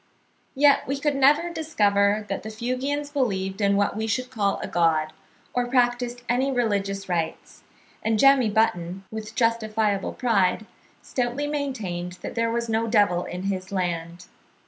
Yet we could never discover that the Fuegians believed in what we should call a God, or practised any religious rites; and Jemmy Button, with justifiable pride, stoutly maintained that there was no devil in his land.